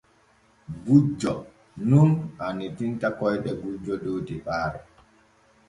Gujjo nun annitinta koyɗe gujjo dow tepaare.